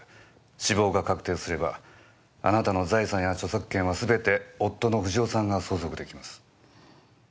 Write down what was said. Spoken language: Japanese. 死亡が確定すればあなたの財産や著作権はすべて夫の不二夫さんが相続できます。